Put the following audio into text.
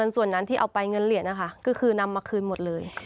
ส่วนนั้นที่เอาไปเงินเหรียญนะคะก็คือนำมาคืนหมดเลย